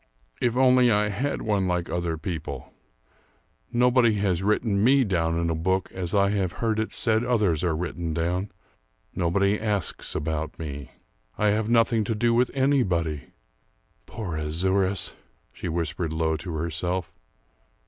If only I had one like other people! Nobody has written me down in a book as I have heard it said others are written down. Nobody asks about me. I have nothing to do with anybody! Poor Azouras," she whispered low to herself.